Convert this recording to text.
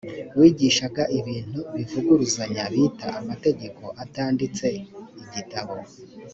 wigishaga ibintu bivuguruzanya bita amategeko atanditse igitabo